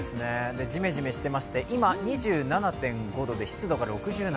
じめじめしてまして、今、２７．５度で湿度が６７％。